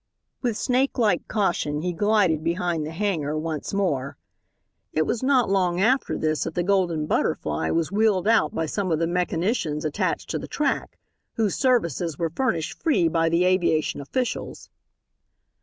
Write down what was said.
With snake like caution he glided behind the hangar once more. It was not long after this that the Golden Butterfly was wheeled out by some of the mechanicians attached to the track, whose services were furnished free by the aviation officials.